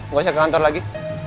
nggak usah ke kantor lagi